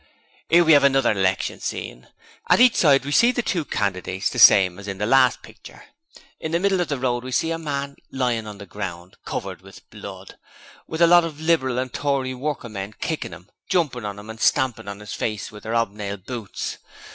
''Ere we 'ave another election scene. At each side we see the two candidates the same as in the last pitcher. In the middle of the road we see a man lying on the ground, covered with blood, with a lot of Liberal and Tory working men kickin' 'im, jumpin' on 'im, and stampin' on 'is face with their 'obnailed boots.